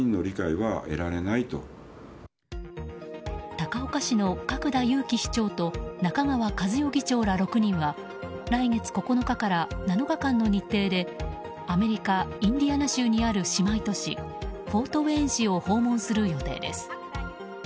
高岡市の角田悠紀市長と中川加津代議長ら６人は来月９日から７日間の日程でアメリカ・インディアナ州にある姉妹都市フォートウェーン市を訪問する予定です。